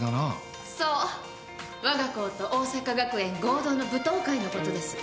そうわが校と桜咲学園合同の舞踏会のことです。